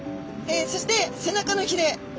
そして背中のひれ